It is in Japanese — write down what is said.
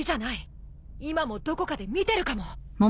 今もどこかで見てるかも。